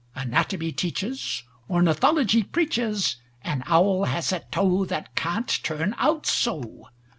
Anatomy teaches, Ornithology preaches An owl has a toe That can't turn out so!